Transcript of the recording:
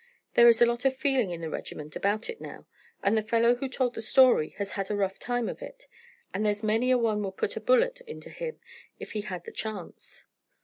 There is a lot of feeling in the regiment about it now, and the fellow who told the story has had a rough time of it, and there's many a one would put a bullet into him if he had the chance.